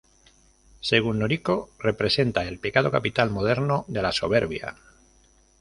Según Noriko, representa el pecado capital moderno de la "Soberbia".